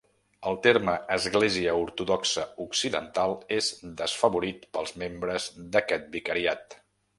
El terme "Església Ortodoxa Occidental" és desfavorit pels membres d'aquest vicariat.